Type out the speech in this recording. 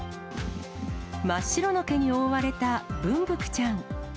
真っ白の毛に覆われたぶんぶくちゃん。